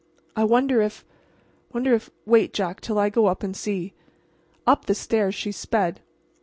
"I wonder if—wonder if! Wait, Jack, till I go up and see." Up the stairs she sped.